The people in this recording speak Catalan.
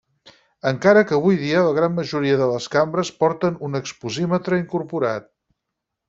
Encara que avui dia la gran majoria de les cambres porten un exposímetre incorporat.